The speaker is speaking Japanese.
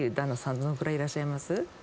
どのぐらいいらっしゃいます？